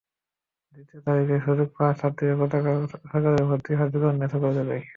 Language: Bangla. দ্বিতীয় তালিকায় সুযোগ পাওয়া ছাত্রীরা গতকাল সকালে ভর্তি হতে ভিকারুননিসা কলেজে যায়।